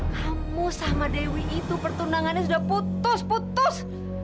kamu sama dewi itu pertunangannya sudah putus putus